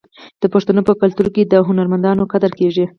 د پښتنو په کلتور کې د هنرمندانو قدر کیږي.